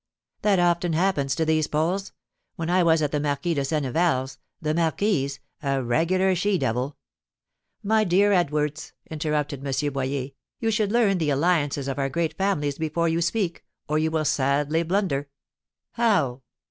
"That often happens to these Poles. When I was at the Marquis de Senneval's, the marquise, a regular she devil " "My dear Edwards," interrupted M. Boyer, "you should learn the alliances of our great families before you speak, or you will sadly blunder." "How?"